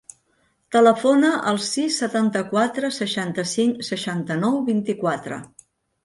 Telefona al sis, setanta-quatre, seixanta-cinc, seixanta-nou, vint-i-quatre.